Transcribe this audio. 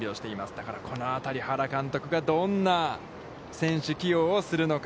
だからこのあたり、原監督が選手起用をするのか。